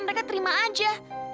mereka terima aja